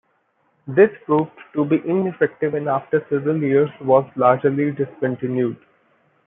This proved to be ineffective and after several years was largely discontinued.